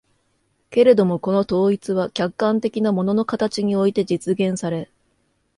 けれどもこの統一は客観的な物の形において実現され、